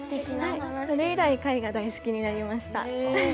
それ以来貝が大好きになりました。